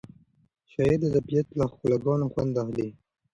شاعر د طبیعت له ښکلاګانو خوند اخلي.